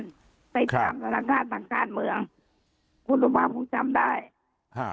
คณะกรรมนิการที่สามอันไปจากศาลกาลต่างการเมืองคุณสุภาพคงจำได้ฮ่า